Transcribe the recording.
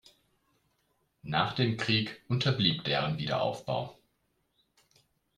Nach dem Krieg unterblieb deren Wiederaufbau.